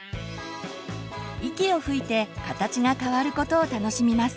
息を吹いて形が変わることを楽しみます。